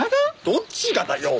どっちがだよ！